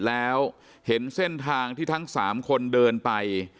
แล้วเห็นเส้นทางที่ทั้ง๓คนเดินไป